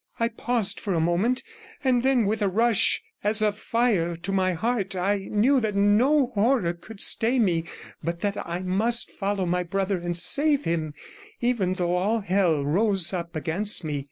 I paused for a moment, and then with a rush as of fire to my heart I knew that no horror could stay me, but that I must follow my brother and save him, even though all hell rose up against me.